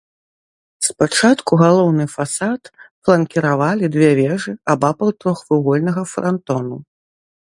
Спачатку галоўны фасад фланкіравалі две вежы абапал трохвугольнага франтону.